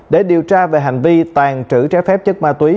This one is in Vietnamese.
để điều tra về hành vi tàn trữ trái phép chất ma túy